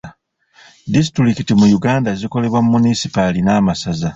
Disitulikiti mu Uganda zikolebwa munisipaali n'amasaza.